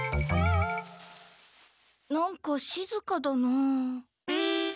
何かしずかだな。